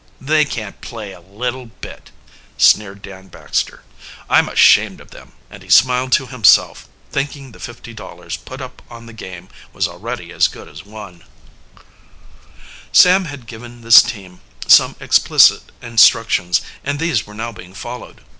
"They can't play a little bit," sneered Dan Baxter. "I'm ashamed of them," and he smiled to himself, thinking the fifty dollars put up on the game was already as good as won. Sam had given his team some explicit instructions, and these were now being followed.